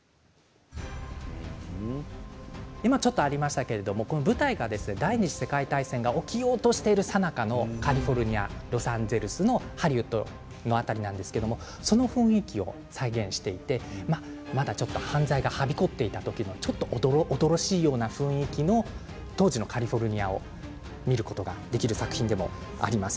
今ちょっとありましたが舞台が第２次世界大戦が起きようとしているさなかのカリフォルニア・ロサンゼルスのハリウッドの辺りなんですけれどその雰囲気を再現していてまだちょっと犯罪がはびこっていた時ちょっとおどろおどろしいような雰囲気の当時のカリフォルニアを見ることができる作品でもあります。